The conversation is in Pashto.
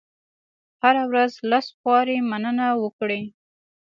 هره ورځ لس وارې مننه وکړئ.